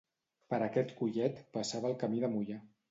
Per aquest collet passava el camí de Moià.